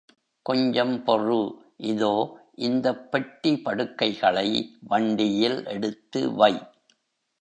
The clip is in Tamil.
கொஞ்சம் பொறு, இதோ இந்தப் பெட்டி படுக்கைகளை வண்டியில் எடுத்துவை.